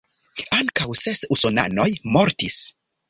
Ankaŭ ses usonanoj mortis.